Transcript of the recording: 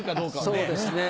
そうですね。